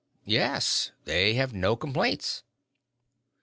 "Yes. They have no complaints."